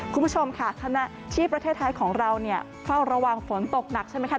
คุณผู้ชมค่ะขณะที่ประเทศไทยของเราเนี่ยเฝ้าระวังฝนตกหนักใช่ไหมคะ